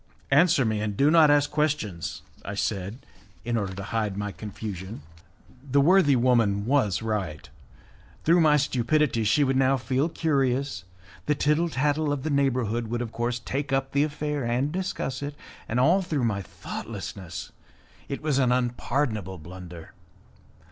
"Answer me, and do not ask questions," I said, in order to hide my confusion. The worthy woman was right; through my stupidity she would now feel curious; the tittle tattle of the neighbourhood would of course take up the affair and discuss it; and all through my thoughtlessness! It was an unpardonable blunder.